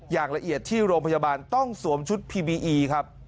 อย่างละเอียดที่โรงพยาบาลต้องสวมชุดพีบีอีครับ